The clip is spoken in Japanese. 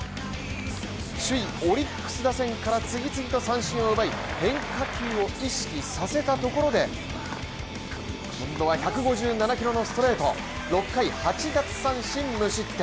首位オリックス打線から次々と三振を奪い変化球を意識させたところで今度は１５７キロのストレート６回８奪三振無失点。